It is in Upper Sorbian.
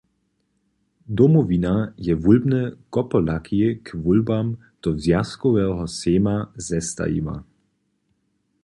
Domowina je wólbne kopolaki k wólbam do Zwjazkoweho sejma zestajiła.